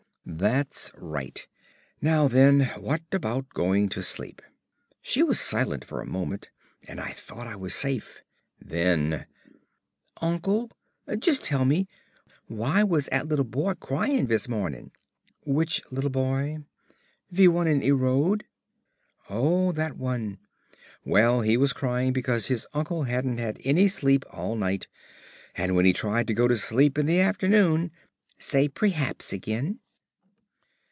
"That's right. Now then, what about going to sleep?" She was silent for a moment, and I thought I was safe. Then, "Uncle, just tell me why was 'at little boy crying vis morning?" "Which little boy?" "Ve one in 'e road." "Oh, that one. Well, he was crying because his Uncle hadn't had any sleep all night, and when he tried to go to sleep in the afternoon " "Say prehaps again."